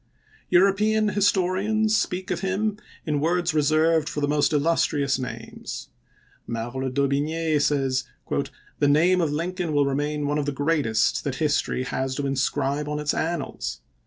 European historians speak of him in words reserved for the most illustrious names. Merle d'Aubigne says, " The name of Lin coln will remain one of the greatest that history has to inscribe on its annals.''